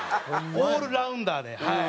オールラウンダーではい。